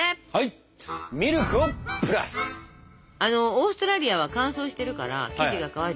オーストラリアは乾燥してるから生地が乾いてしまうでしょ。